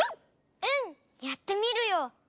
うんやってみるよ！